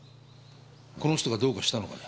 この人がどうかしたのかね？